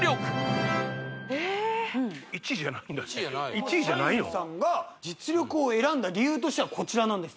１位じゃないんだ社員さんが「実力」を選んだ理由としてはこちらなんです